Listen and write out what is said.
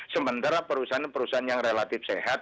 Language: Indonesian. sementara perusahaan perusahaan yang relatif sehat